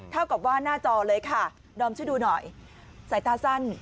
เท่ากับว่าหน้าจอเลยค่ะดอมช่วยดูหน่อยสายตาสั้น